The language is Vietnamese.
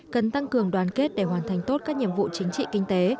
cần tăng cường đoàn kết để hoàn thành tốt các nhiệm vụ chính trị kinh tế